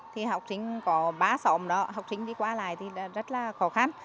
thì học sinh có ba xóm đó học sinh đi qua lại thì rất là khó khăn